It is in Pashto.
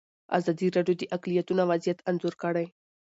ازادي راډیو د اقلیتونه وضعیت انځور کړی.